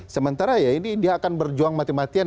sementara ya ini dia akan berjuang mati matian